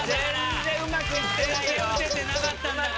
全然撃ててなかったんだから。